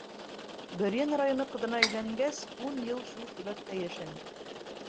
Бөрйән районы ҡыҙына өйләнгәс, ун йыл шул төбәктә йәшәнек.